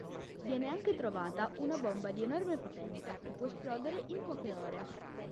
Viene anche trovata una bomba di enorme potenza, che può esplodere in poche ore.